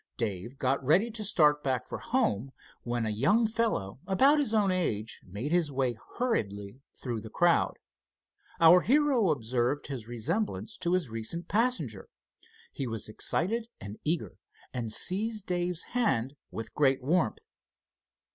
Dave got ready to start back for home, when a young fellow about his own age made his way hurriedly through the crowd. Our hero observed his resemblance to his recent passenger. He was excited and eager, and seized Dave's hand with great warmth.